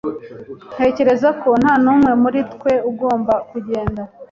Ntekereza ko nta n'umwe muri twe ugomba kugenda.